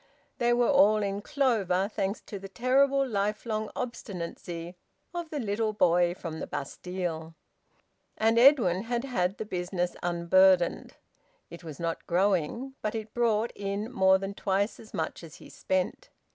They were all in clover, thanks to the terrible lifelong obstinacy of the little boy from the Bastille. And Edwin had had the business unburdened. It was not growing, but it brought in more than twice as much as he spent.